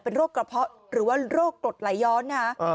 เป็นโรคกระเพาะหรือว่าโรคกรดไหลย้อน